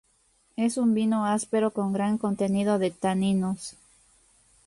Es un vino áspero con gran contenido de taninos.